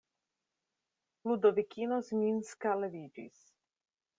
Ludovikino Zminska leviĝis.